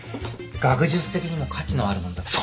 学術的にも価値のあるものだ。